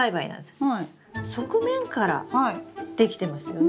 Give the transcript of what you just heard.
側面からできてますよね。